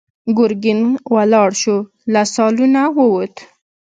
ګرګين ولاړ شو، له سالونه ووت.